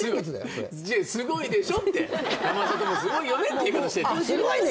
それ「すごいでしょ」って「山里もすごいよね」って言い方してんの「すごいね」